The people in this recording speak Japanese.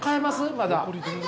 まだ。